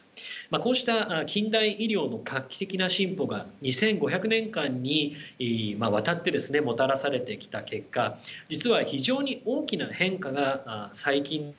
こうした近代医療の画期的な進歩が２，５００年間にわたってですねもたらされてきた結果実は非常に大きな変化が最近の５０年で起きています。